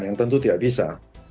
yang tentu tidak bisa